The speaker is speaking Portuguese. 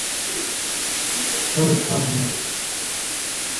Califórnia